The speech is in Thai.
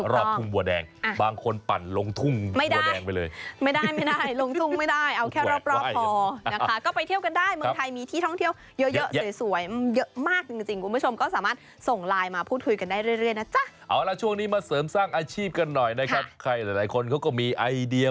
รอบทุ่งบัวแดงบ้างคนทุ่งบัวแดงไปเลย